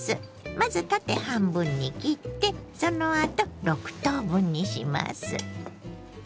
まず縦半分に切ってそのあと６等分にします。